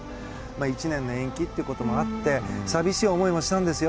１年の延期ということもあって寂しい思いもしたんですよ。